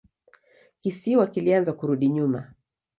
Kisiwa kilianza kurudi nyuma.